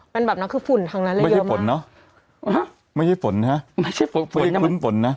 มันแบบนั้นคือฝุ่นทางนั้นเลยเยอะมากไม่ใช่ฝนเนอะไม่ใช่ฝนนะไม่ใช่ฝนไม่ใช่คุ้นฝนนะ